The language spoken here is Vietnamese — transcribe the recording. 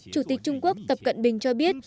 chủ tịch trung quốc tập cận bình cho biết